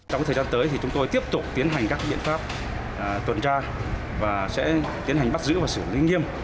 trong thời gian tới thì chúng tôi tiếp tục tiến hành các biện pháp tuần tra và sẽ tiến hành bắt giữ và xử lý nghiêm